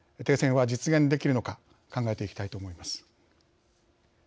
停戦は実現できるのか考えていきたいと思います。